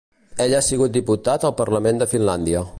Ell ha sigut diputat al Parlament de Finlàndia.